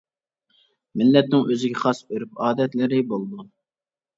مىللەتنىڭ ئۆزىگە خاس ئۆرۈپ ئادەتلىرى بولىدۇ.